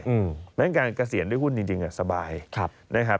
เพราะฉะนั้นการเกษียณด้วยหุ้นจริงสบายนะครับ